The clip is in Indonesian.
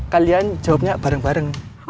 kalian jawabnya bareng bareng